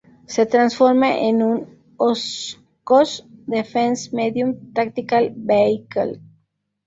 Se transforma en un Oshkosh Defense Medium Tactical Vehicle.